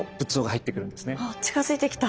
あ近づいてきた！